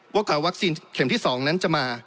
ว่าการวัคซีนเข็มที่๒นั้นจะมา